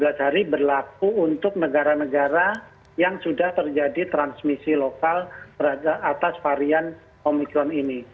dua belas hari berlaku untuk negara negara yang sudah terjadi transmisi lokal atas varian omikron ini